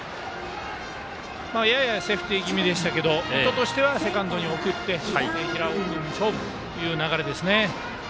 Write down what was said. ややセーフティー気味でしたが意図としてはセカンドに送って平尾君で勝負の形ですね。